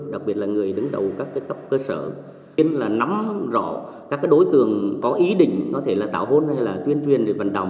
đặc biệt là người đứng đầu các cấp cơ sở nên là nắm rõ các đối tượng có ý định có thể là tảo hôn hay là tuyên truyền để vận động